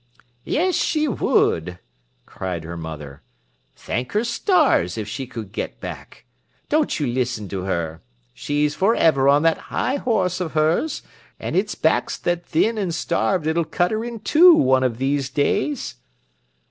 "Yes, she would!" cried her mother; "thank her stars if she could get back. Don't you listen to her. She's for ever on that 'igh horse of hers, an' it's back's that thin an' starved it'll cut her in two one of these days."